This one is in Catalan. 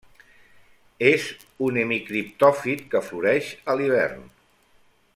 És un hemicriptòfit que floreix a l'hivern.